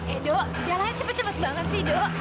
edo jalannya cepet cepet banget sih dok